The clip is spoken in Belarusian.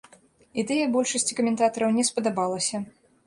Ідэя большасці каментатараў не спадабалася.